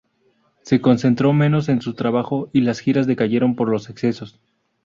Se concentró menos en su trabajo, y las giras decayeron por los excesos.